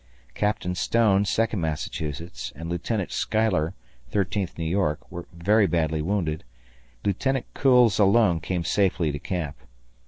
Captain Stone, Second Massachusetts, and Lieutenant Schuyler, Thirteenth New York, very badly wounded. Lieutenant Kuhls alone came safely to camp.